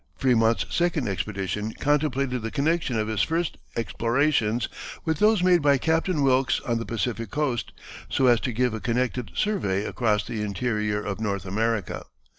[Illustration: Ascending Frémont's Peak.] Frémont's second expedition contemplated the connection of his first explorations with those made by Captain Wilkes on the Pacific Coast, so as to give a connected survey across the interior of North America.